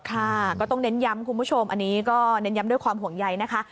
ค่ะก็ต้องเน้นย้ำคุณผู้ชมอันนี้ก็เน้นย้ำด้วยความห่วงใยนะคะ